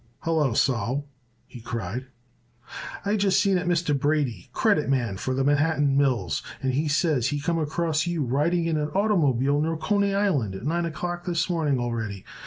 "Hallo, Sol!" he cried. "I just seen it Mr. Brady, credit man for the Manhattan Mills, and he says he come across you riding in an oitermobile near Coney Island at nine o'clock this morning already.